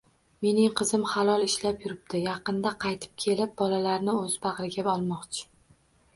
Mening qizim halol ishlab yuribdi, yaqinda qaytib kelib bolalarini o`zi bag`riga olmoqchi